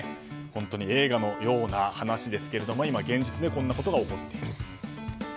本当に映画のような話ですが今、現実でこのようなことが起きていると。